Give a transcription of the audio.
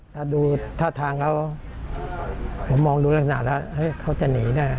ถ้าดูท่าทางเขาผมมองดูลักษณะแล้วเขาจะหนีแน่